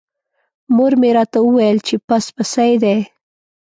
مور مې راته وویل چې پس پسي دی.